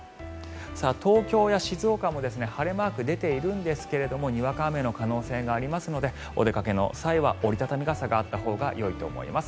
東京や静岡も晴れマークが出ているんですがにわか雨の可能性がありますのでお出かけの際には折り畳み傘があったほうがよいと思います。